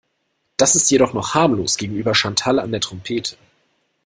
Das ist jedoch noch harmlos gegenüber Chantal an der Trompete.